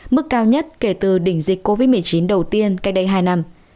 mức cao nhất kể từ đỉnh dịch covid một mươi chín đầu tiên cách đây hai năm